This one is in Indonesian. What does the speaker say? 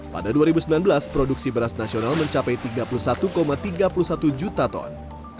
pada dua ribu sembilan belas produksi beras nasional mencapai tiga puluh satu tiga puluh satu juta ton